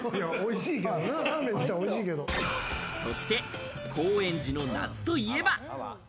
そして高円寺の夏といえば。